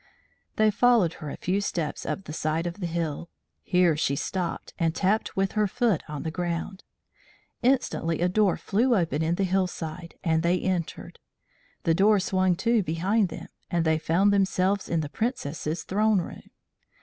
They followed her a few steps up the side of the hill. Here she stopped, and tapped with her foot on the ground. Instantly a door flew open in the hillside, and they entered. The door swung to behind them, and they found themselves in the Princess's throne room.